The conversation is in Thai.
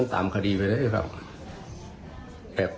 ของทางวันที่เรียกค่ะเริ่มตามการคดีไปแล้วก็แบบ